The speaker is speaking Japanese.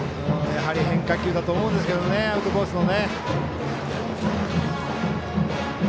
やはり変化球だと思うんですけどねアウトコースの。